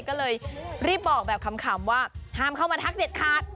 ก็เลยรีบบอกแบบขำว่าห้ามเข้ามาทักเด็ดขาด